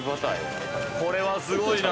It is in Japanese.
これはすごいな。